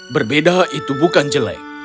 berbeda itu bukan jelek